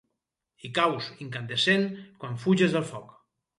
Hi caus, incandescent, quan fuges del foc.